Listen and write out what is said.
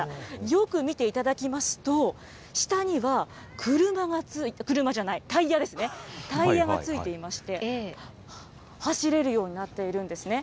よく見ていただきますと、下には車、車じゃない、タイヤですね、タイヤがついていまして、走れるようになっているんですね。